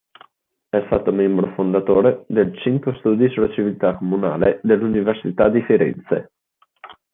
È stato membro fondatore del Centro studi sulla civiltà comunale dell'Università di Firenze.